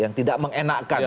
yang tidak mengenakan